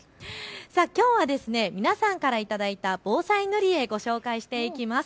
きょうは皆さんから頂いた防災塗り絵、ご紹介していきます。